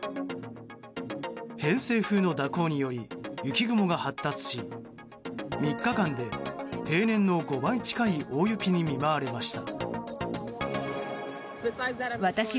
偏西風の蛇行により雪雲が発達し３日間で平年の５倍近い大雪に見舞われました。